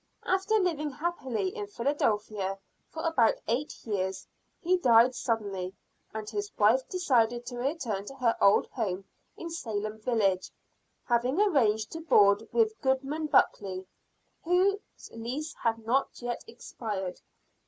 After living happily in Philadelphia for about eight years he died suddenly, and his wife decided to return to her old home in Salem village, having arranged to board with Goodman Buckley, whose lease had not yet expired.